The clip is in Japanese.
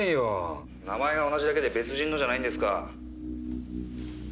「名前が同じだけで別人のじゃないんですか？」